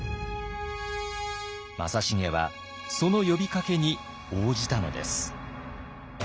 正成はその呼びかけに応じたのです。